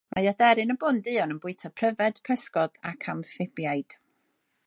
Mae Aderyn y Bwn Duon yn bwyta pryfed, pysgod ac amffibiaid.